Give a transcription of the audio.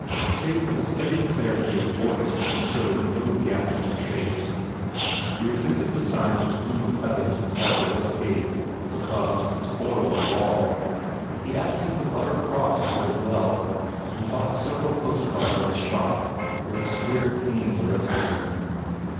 Save for the studied clarity of voice he showed no theatrical traits. He resented the sign of The Plume of Feathers beside the West Gate because 34 HE PROGRESSES "it spoiled the wall." He asked if the Butter Cross was a well and bought several postcards at a shop where the squared panes arrested him.